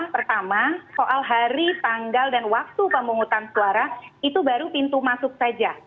pertama soal hari tanggal dan waktu pemungutan suara itu baru pintu masuk saja